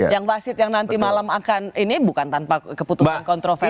yang wasit yang nanti malam akan ini bukan tanpa keputusan kontroversial